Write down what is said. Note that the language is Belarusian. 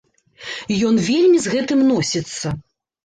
Ён вельмі з гэтым носіцца!